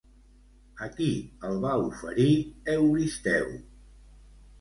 A qui el va oferir Euristeu?